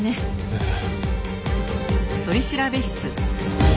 ええ。